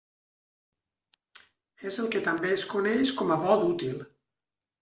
És el que també es coneix com a «vot útil».